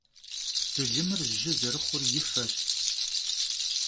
Bılımır jı zerıxhur yi feş.